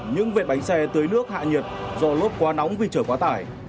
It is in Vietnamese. những vệt bánh xe tưới nước hạ nhiệt do lốp quá nóng vì chở quá tải